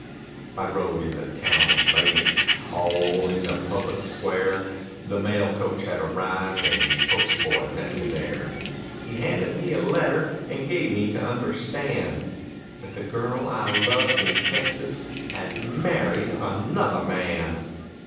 I rode in the town of Vagus, all in the public square; The mail coach had arrived, the post boy met me there. He handed me a letter that gave me to understand That the girl I loved in Texas had married another man.